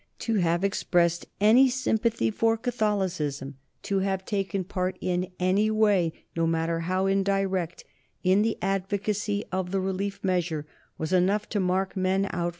To have expressed any sympathy for Catholicism, to have taken part in any way, no matter how indirect, in the advocacy of the relief measure, was enough to mark men out for vengeance.